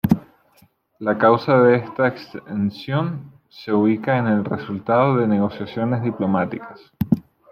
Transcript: La causa de esta exención se ubica en el resultado de negociaciones diplomáticas.